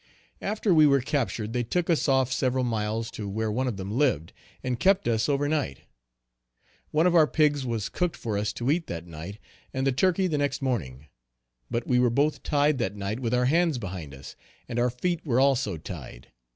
After we were captured they took us off several miles to where one of them lived, and kept us over night. One of our pigs was cooked for us to eat that night; and the turkey the next morning. But we were both tied that night with our hands behind us, and our feet were also tied.